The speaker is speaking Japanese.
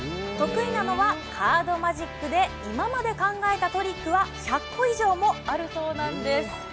得意なのはカードマジックで今まで考えたトリックは１００個以上もあるそうなんです。